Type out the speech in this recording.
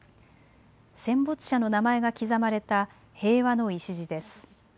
戦没者の名前が刻まれた平和の礎です。